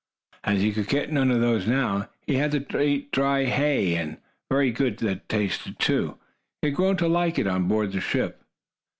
As he could get none of those now, he had to eat dry hay, and very good that tasted, too. He had grown to like it on board the ship.